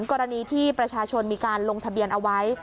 กรณีที่ประชาชนมีการลงทะเบียนเอาไว้